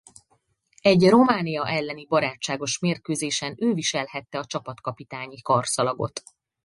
Egy Románia elleni barátságos mérkőzésen ő viselhette a csapatkapitányi karszalagot.